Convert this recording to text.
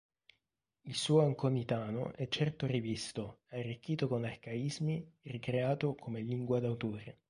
Il suo anconitano è certo rivisto, arricchito con arcaismi, ricreato come lingua d'autore.